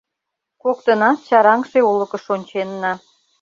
Коктынат чараҥше олыкыш онченна.